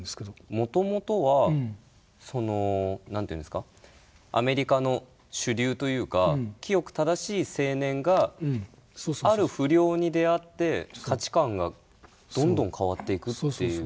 もともとはアメリカの主流というか清く正しい青年がある不良に出会って価値観がどんどん変わっていくという。